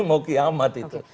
mau kiamat itu